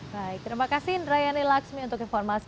baik terima kasih indrayani laksmi untuk informasi